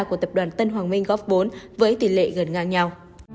của tập đoàn tân hoàng minh góp vốn với tỷ lệ gần ngang nhau